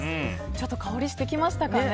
ちょっと香りがしてきましたかね。